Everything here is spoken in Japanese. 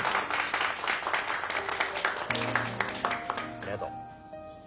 ありがとう。